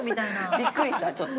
◆びっくりした、ちょっと。